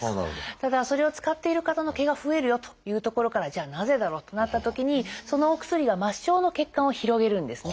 ただそれを使っている方の毛が増えるよというところからじゃあなぜだろうとなったときにそのお薬が末梢の血管を広げるんですね。